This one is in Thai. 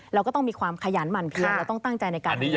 เราก็ต้องมีความขยันหมั่นเพียนเราต้องตั้งใจในการทำงาน